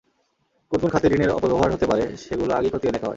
কোন কোন খাতে ঋণের অপব্যবহার হতে পারে, সেগুলো আগেই খতিয়ে দেখা হয়।